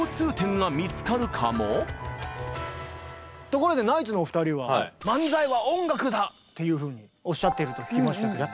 ところでナイツのお二人はっていうふうにおっしゃってると聞きましたけど。